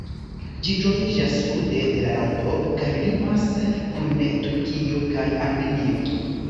Ĝi troviĝas sude de la lando kaj limas kun Turkio kaj Armenio.